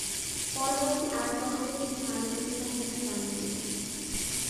পরবর্তী আট বছরে তিনি আরও দুটি সন্তানের জন্ম দিয়েছেন।